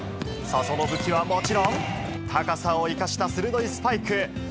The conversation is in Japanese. その武器はもちろん、高さを生かした鋭いスパイク。